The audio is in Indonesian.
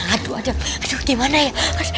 aduh adam gimana ya